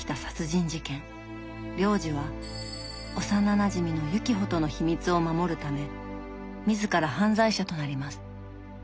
亮司は幼なじみの雪穂との秘密を守るため自ら犯罪者となります。